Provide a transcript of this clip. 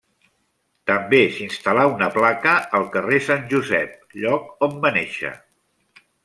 També s'instal·là una placa al carrer Sant Josep, lloc on va néixer.